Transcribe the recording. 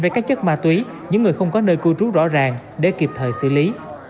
với các chất ma túy những người không có nơi cư trú rõ ràng để kịp thời xử lý